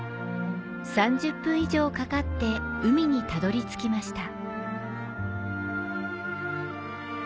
３０分以上かかって海にたどり着きました。